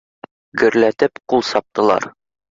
Гөрләтеп ҡул саптылар